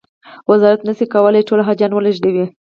وزارت نه شي کولای ټول حاجیان و لېږدوي.